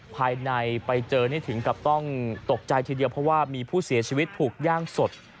ภายในไปเจอนี่ถึงกับต้องตกใจทีเดียวเพราะว่ามีผู้เสียชีวิตถูกย่างสด